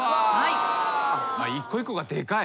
一個一個がでかい。